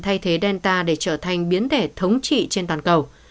thay thế delta để trở thành biến thể thống trị trên toàn cầu